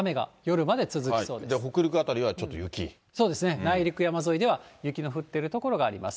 内陸山沿いでは、雪の降ってる所があります。